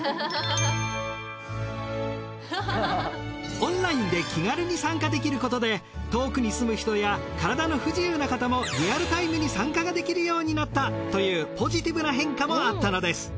オンラインで気軽に参加できることで遠くに住む人や体の不自由な方もリアルタイムに参加ができるようになったというポジティブな変化もあったのです。